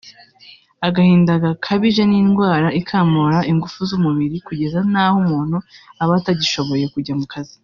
Agahinda gakabije ni indwara ikamura ingufu z’umubiri kugeza n’aho umuntu aba atagishoboye kujya mu kazi